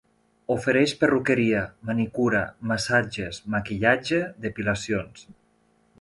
Ofereix perruqueria, manicura, massatges, maquillatge, depilacions...